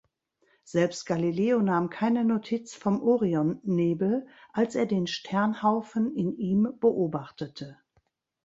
Selbst Galileo nahm keine Notiz vom Orionnebel, als er den Sternhaufen in ihm beobachtete.